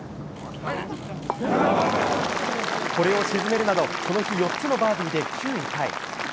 これを沈めるなどこの日４つのバーディーで９位タイ。